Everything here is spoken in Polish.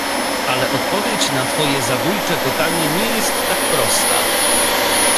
"Ale odpowiedź na twoje zabójcze pytanie nie jest tak prosta."